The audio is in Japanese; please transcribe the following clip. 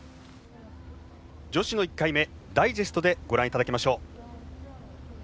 女子の１回目、ダイジェストでご覧いただきましょう。